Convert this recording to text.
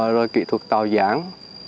rồi kỹ thuật tạo giảng